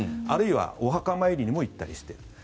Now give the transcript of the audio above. あるいはお墓参りにも行ったりしている。